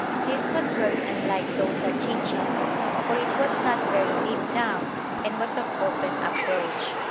This was very unlike those at Chichen, for it was not very deep down and was of open approach.